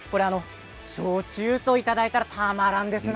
焼酎といただいたらたまらないですね。